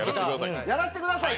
やらせてください。